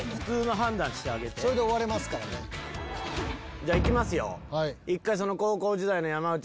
じゃあいきますよ。